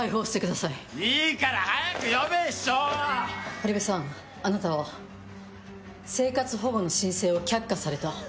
堀部さんあなたは生活保護の申請を却下された。